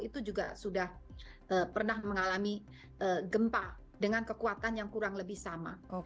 itu juga sudah pernah mengalami gempa dengan kekuatan yang kurang lebih sama